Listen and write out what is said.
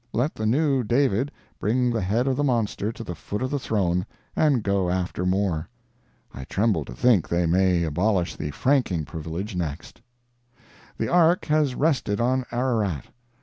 Let the new David bring the head of the monster to the foot of the throne, and go after more. I tremble to think they may abolish the franking privilege next. The Ark has rested on Ararat.